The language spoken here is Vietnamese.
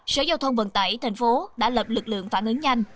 sở giao thông vận tải thành phố đã lập lực lượng phản ứng nhanh